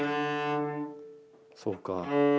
そうか。